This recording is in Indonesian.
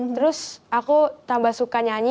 terus aku tambah suka nyanyi